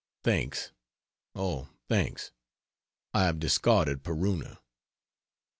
Thanks, oh, thanks: I have discarded Peruna.